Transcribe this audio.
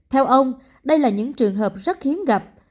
theo ông đây là những trường hợp rất hiếm gặp